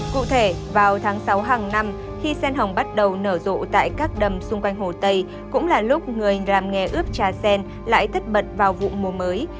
cụ thể vào tháng sáu hàng năm khi sen hồng bắt đầu nở rộ tại các đầm xung quanh hồ tây cũng là lúc người làm nghề ướp trà sen lại tất bật vào vụ mùa mới